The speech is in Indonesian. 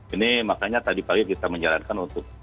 ini makanya tadi pagi kita menjalankan untuk